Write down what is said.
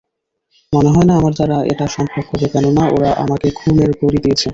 মনে হয় না আমার দ্বারা এটা সম্ভব হবে কেননা ওরা আমাকে ঘুমের বড়ি দিয়েছে।